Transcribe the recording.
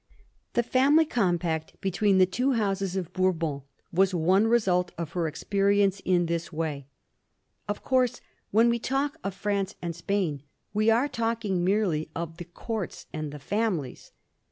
The family compact between the two Houses of Bourbon was one result of her experience in this way. Of course, when we talk of France and Spain, we are talking merely of the Courts and the families.